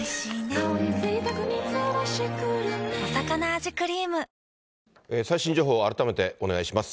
あふっ最新情報を改めてお願いします。